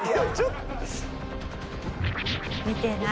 見てない。